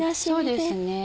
そうですね。